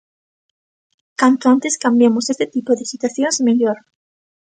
Canto antes cambiemos este tipo de situacións, mellor.